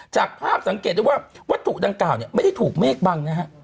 จากภาพสังเกตได้ว่าวัตถุดังกล่าวเนี่ยไม่ได้ถูกเมฆบังนะฮะ